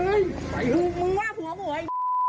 เฮ่ยไอ้ฮุมึงว่าผัวหัวไอ้